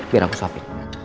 biar aku suapin